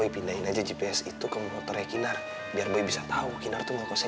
itu dia cepetan cepetan pikirnya ntar ya